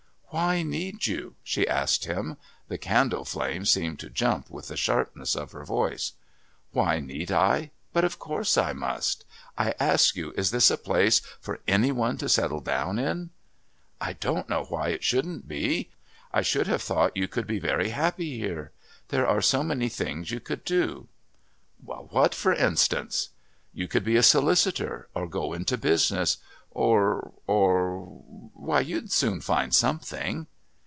"Why need you?" she asked him. The candle flame seemed to jump with the sharpness of her voice. "Why need I? But of course I must. I ask you, is this a place for any one to settle down in?" "I don't know why it shouldn't be. I should have thought you could be very happy here. There are so many things you could do." "What, for instance?" "You could be a solicitor, or go into business, or or why, you'd soon find something."